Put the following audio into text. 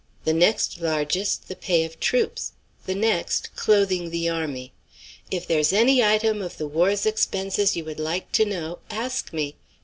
The next largest, the pay of troops; the next, clothing the army. If there's any item of the war's expenses you would like to know, ask me.